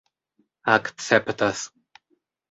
akceptas